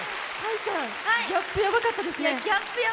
いやギャップやばかったですね。